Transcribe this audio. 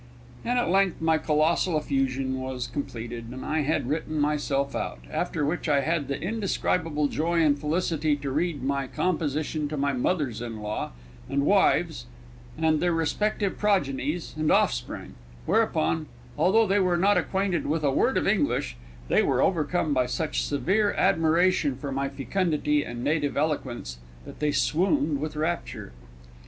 And at length my colossal effusion was completed, and I had written myself out; after which I had the indescribable joy and felicity to read my composition to my mothers in law and wives and their respective progenies and offspring, whereupon, although they were not acquainted with a word of English, they were overcome by such severe admiration for my fecundity and native eloquence that they swooned with rapture.